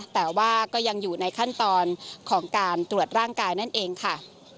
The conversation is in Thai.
แต่ว่าก็ยังอยู่ในขั้นตอนของการตรวจร่างกายนั่นเองค่ะ